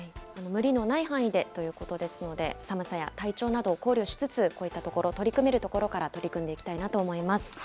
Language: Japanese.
無理のない範囲でということですので、寒さや体調などを考慮しつつ、こういったところ、取り組めるところから取り組んでいきたいなと思います。